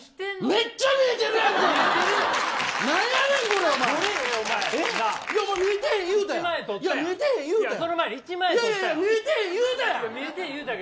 めっちゃ見えてるやんけ。